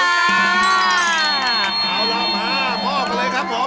เอาล่ะมามอบกันเลยครับผม